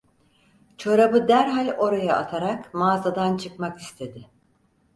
Çorabı derhal oraya atarak mağazadan çıkmak istedi.